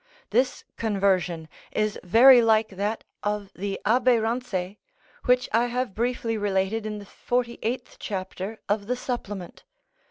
(88) This conversion is very like that of the Abbé Rancé, which I have briefly related in the 48th chapter of the Supplement.